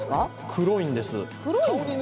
黒いんです。